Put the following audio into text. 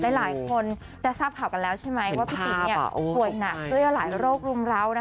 หลายคนได้ทราบข่าวกันแล้วใช่ไหมว่าพี่ติ๋มป่วยหนักด้วยหลายโรครุมร้าว